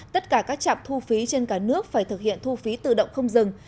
tất cả các trạm thu phí trên cả nước phải thực hiện thu phí tự động không dừng